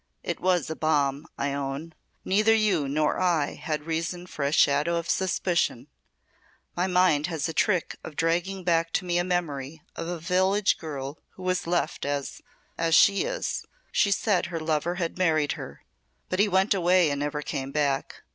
"It was a bomb, I own. Neither you nor I had reason for a shadow of suspicion. My mind has a trick of dragging back to me a memory of a village girl who was left as as she is. She said her lover had married her but he went away and never came back.